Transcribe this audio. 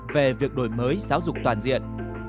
về việc đổi mới giáo dục toàn diện